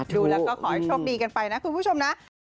ดูแล้วก็ขอให้โชคดีกันไปนะคุณผู้ชมนะ